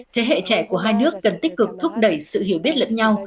thế hệ trẻ của hai nước cần tích cực thúc đẩy sự hiểu biết lẫn nhau